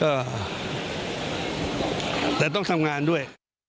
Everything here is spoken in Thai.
ก็แต่ต้องทำงานด้วย